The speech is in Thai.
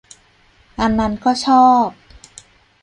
อันนั้นก็ชอบ